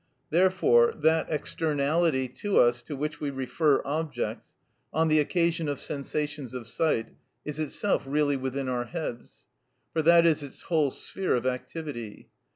Therefore that externality to us to which we refer objects, on the occasion of sensations of sight, is itself really within our heads; for that is its whole sphere of activity.